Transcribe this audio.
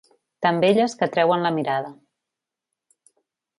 Tan belles que atreuen la mirada.